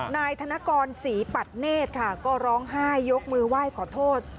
นายธนกรศรีปัตเนธค่ะก็ร้องไห้ยกมือไหว้ขอโทษ